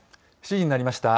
７時になりました。